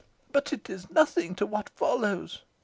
But it is nothing to what follows.